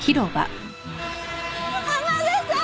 浜田さーん！